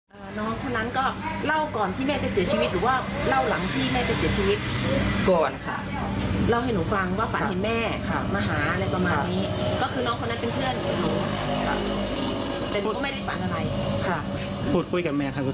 แม่ถามว่าไม่กลับบ้านเหรอหนูก็เลยบอกว่ากลับอยู่